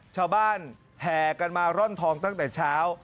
ชาวบ้านแห่กันมาร่อนทองตั้งแต่เช้า